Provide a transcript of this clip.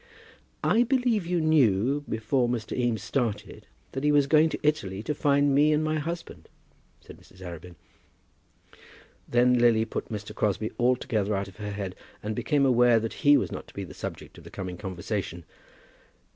"I believe you knew, before Mr. Eames started, that he was going to Italy to find me and my husband?" said Mrs. Arabin. Then Lily put Mr. Crosbie altogether out of her head, and became aware that he was not to be the subject of the coming conversation.